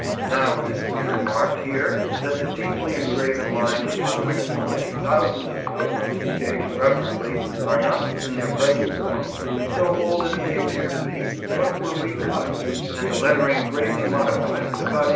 Now it is to be remarked here that the deeply engraven lines upon which so many thousands of pilgrims gaze reverently are not, in their present form, so old as they appear to be, but were recut, and the lettering greatly modified, about 1831.